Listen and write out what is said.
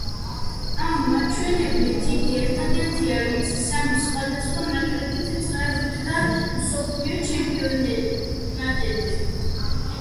ამ მაჩვენებლით იგი ერთადერთია ვინც სამი სხვადასხვა ნაკრებით წარდგა მსოფლიო ჩემპიონატებზე.